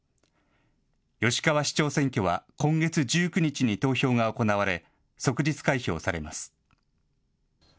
吉川市長選挙は今月１９日に投票が行われ即日開票されます。